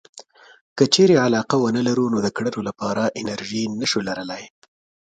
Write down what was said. که چېرې علاقه ونه لرو نو د کړنو لپاره انرژي نشو لرلای.